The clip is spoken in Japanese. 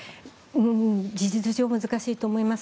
事実上、難しいと思います。